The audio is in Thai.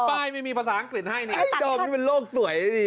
ป้ายไม่มีภาษาอังกฤษให้ดอมมันเป็นโลกสวยดี